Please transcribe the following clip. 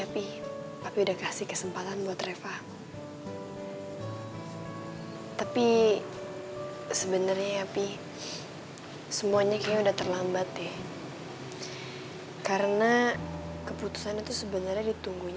papa backyard selalu yang